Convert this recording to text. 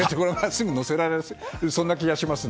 すぐ乗せられるんです。